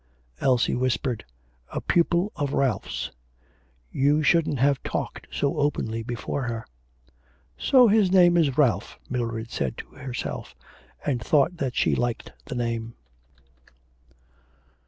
Elsie whispered, 'A pupil of Ralph's. You shouldn't have talked so openly before her.' 'So his name is Ralph,' Mildred said to herself, and thought that she liked the name.